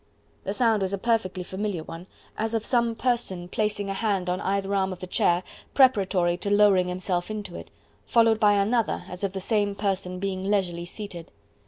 The sound was a perfectly familiar one as of some person placing a hand on either arm of the chair preparatory to lowering himself into it, followed by another as of the same person being leisurely seated.